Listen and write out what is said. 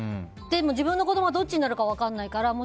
でも自分の子供はどっちになるか分からないから。